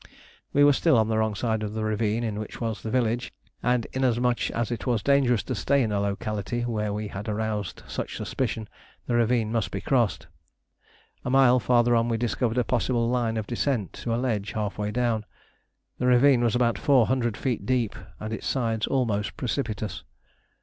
We were still on the wrong side of the ravine in which was the village, and inasmuch as it was dangerous to stay in a locality where we had aroused such suspicion, the ravine must be crossed. A mile farther on we discovered a possible line of descent to a ledge half way down. The ravine was about four hundred feet deep and its sides almost precipitous.